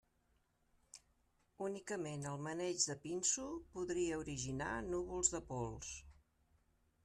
Únicament el maneig de pinso podria originar núvols de pols.